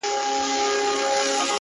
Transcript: هغې ويل ته خو ضرر نه دی په کار!